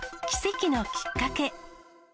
奇跡のきっかけ。